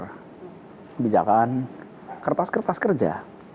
kebijakan kertas kertas kerja